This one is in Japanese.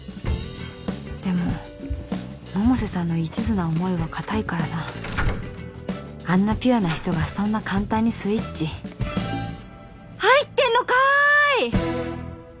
でも百瀬さんのいちずな思いは固いからなあんなピュアな人がそんな簡単にスイッチ入ってんのかい！